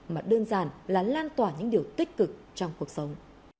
mà đơn giản là lan tỏa những điều tích cực trong cuộc sống